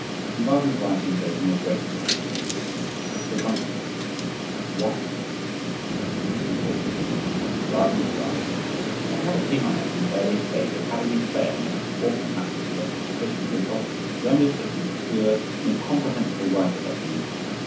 In Wagner's writings there is no greatness or peace, but presumption. Why? 64. Wagner's Style.—The habit he acquired, from his earliest days, of having his say in the most important matters without a sufficient knowledge of them, has rendered him the obscure and incomprehensible writer that he is.